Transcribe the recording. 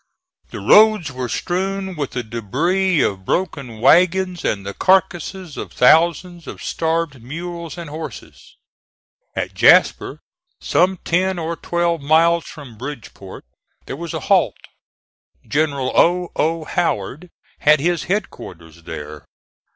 The roads were strewn with the debris of broken wagons and the carcasses of thousands of starved mules and horses. At Jasper, some ten or twelve miles from Bridgeport, there was a halt. General O. O. Howard had his headquarters there.